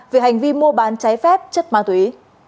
về hành vi mua bán trái phép chất ma túy